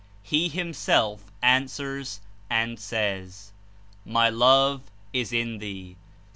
He, Himself, answers and says: ''My Love is in thee.